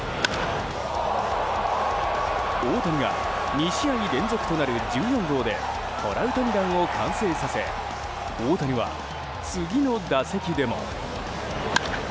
大谷が２試合連続となる１４号でトラウタニ弾を完成させ大谷は、次の打席でも。